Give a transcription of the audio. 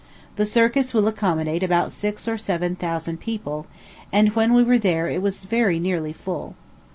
The circus will accommodate about six or seven thousand people, and when we were there it was very nearly full.